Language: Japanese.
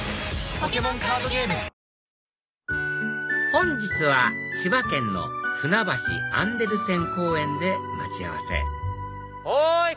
本日は千葉県のふなばしアンデルセン公園で待ち合わせおい！